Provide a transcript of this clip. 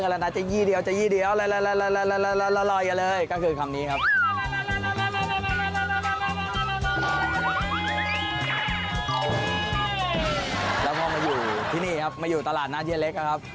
แล้วพอมาอยู่ที่นี่ครับมาอยู่ตลาดนัดเย้เล็กครับ